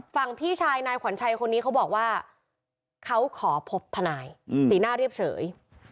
พี่ชายนายขวัญชัยคนนี้เขาบอกว่าเขาขอพบทนายสีหน้าเรียบเฉย